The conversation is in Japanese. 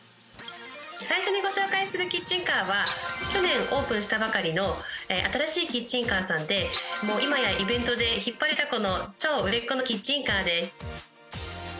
最初にご紹介するキッチンカーは去年オープンしたばかりの新しいキッチンカーさんで今やイベントで引っ張りだこの超売れっ子のキッチンカーです。